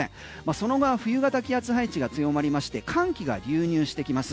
その後は冬型気圧配置が強まりまして寒気が流入してきます。